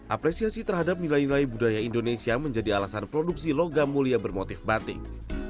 apresiasi terhadap nilai nilai budaya indonesia menjadi alasan produksi logam mulia bermotif batik